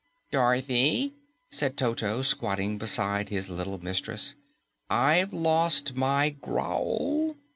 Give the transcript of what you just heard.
"Dorothy," said Toto, squatting beside his little mistress, "I've lost my growl."